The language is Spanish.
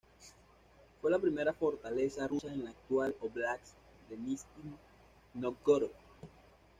Fue la primera fortaleza rusa en la actual óblast de Nizhni Nóvgorod.